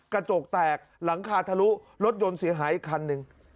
กระจกแตกหลังคาทะลุรถยนต์เสียหายอีกคันหนึ่ง